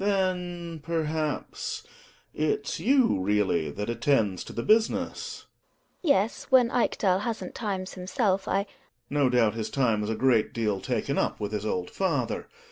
Gregers. Then, perhaps, it's you really that attend to the business ? GiNA. Yes, when Ekdal hasn't times himself, I Gregers. No doubt, his time's a great deal taken up with his old father.